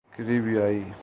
کریبیائی